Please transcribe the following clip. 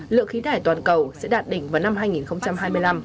lượng khí thải toàn cầu sẽ đạt đỉnh vào năm hai nghìn hai mươi năm